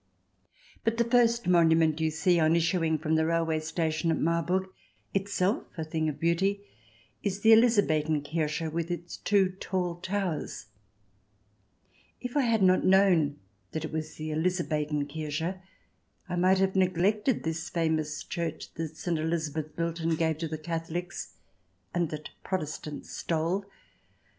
But the first monument you see on issuing from the railway station at Marburg — itself a thing of beauty — is the Elizabethen Kirche, with its two tall towers. If I had not known that it was the Eliza 152 CH. XI] LANDGRAFIN AND CONFESSOR 153 bethen Kirche, I might have neglected this famous church that St. Elizabeth built and gave to Catholics, and that Protestants stole